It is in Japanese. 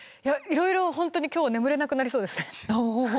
いろいろ本当に今日は眠れなくなりそうです。